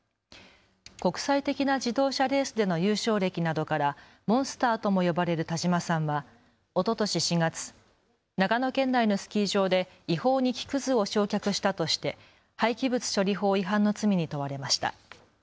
国際的な自動車レースでの優勝歴などからモンスターとも呼ばれる田嶋さんはおととし４月、長野県内のスキー場で違法に木くずを焼却したとして廃棄物処理法違反の罪に問われました。